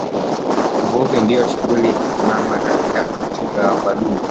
Uvuvi ndio shughuli mama katika uchumi wa Buluu